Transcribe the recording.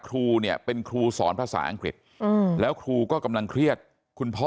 ครูเนี่ยเป็นครูสอนภาษาอังกฤษแล้วครูก็กำลังเครียดคุณพ่อ